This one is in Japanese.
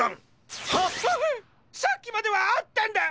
さっきまではあったんだ！